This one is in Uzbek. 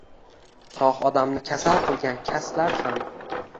Sog’ odamni kasal qilgan kaslar ham.